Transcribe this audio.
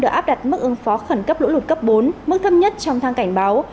đã áp đặt mức ứng phó khẩn cấp lũ lụt cấp bốn mức thấp nhất trong thang cảnh báo